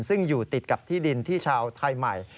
ซึ่งอยู่ติดกับที่ดินที่ชาวไทยใหม่